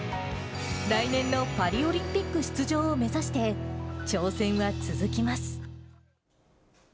来年のパリオリンピック出場を目指して、挑戦は続きます。